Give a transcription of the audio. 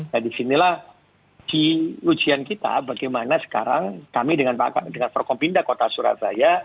nah disinilah di ujian kita bagaimana sekarang kami dengan pak pak dengan prokopinda kota surabaya